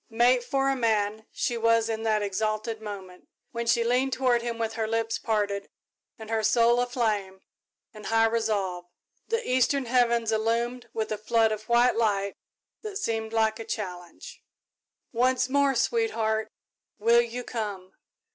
Mate for a man she was in that exalted moment, when she leaned toward him with her lips parted and her soul aflame with high resolve. The eastern heavens illumined with a flood of white light that seemed like a challenge. "Once more, sweetheart will you come?"